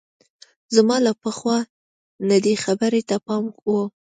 زما له پخوا نه دې خبرې ته پام وو.